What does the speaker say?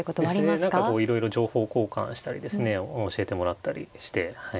そうですね何かこういろいろ情報交換したりですね教えてもらったりしてはい